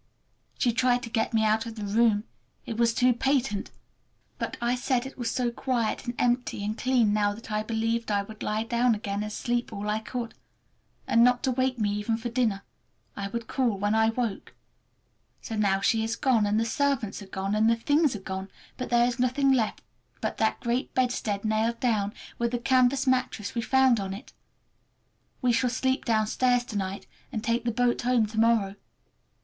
She tried to get me out of the room—it was too patent! But I said it was so quiet and empty and clean now that I believed I would lie down again and sleep all I could; and not to wake me even for dinner—I would call when I woke. So now she is gone, and the servants are gone, and the things are gone, and there is nothing left but that great bedstead nailed down, with the canvas mattress we found on it. We shall sleep downstairs to night, and take the boat home to morrow.